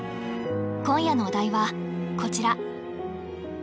今夜のお題はこちら。